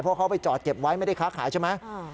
เพราะเขาไปจอดเก็บไว้ไม่ได้ค้าขายใช่ไหม